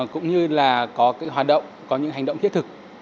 cũng như là có hoạt động có những hành động thiết thực